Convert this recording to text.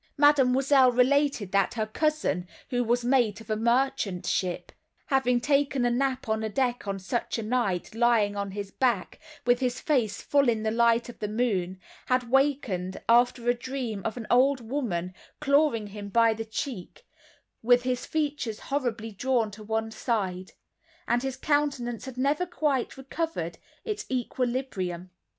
Mademoiselle related that her cousin, who was mate of a merchant ship, having taken a nap on deck on such a night, lying on his back, with his face full in the light on the moon, had wakened, after a dream of an old woman clawing him by the cheek, with his features horribly drawn to one side; and his countenance had never quite recovered its equilibrium.